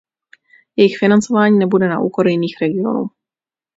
Jejich financování nebude na úkor jiných regionů.